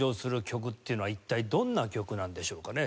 曲っていうのは一体どんな曲なんでしょうかね？